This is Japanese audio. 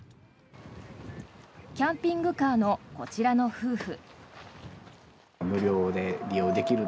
キャンピングカーのこちらの夫婦。